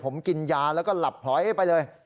ผมกินยาแล้วก็หลับพลอยไปเลย